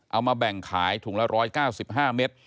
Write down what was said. เอามาแบ่งขายถุงละ๑๙๕เมตร